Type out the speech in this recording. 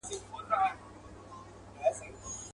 په شپو شپو یې سره کړي وه مزلونه.